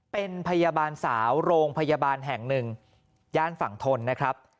เป็นพยาบาลสาวโรงพยาบาลแห่งหนึ่งย่านฝั่งทนนะครับ